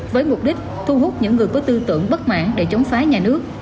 với mục đích thu hút những người có tư tưởng bất mãn để chống phá nhà nước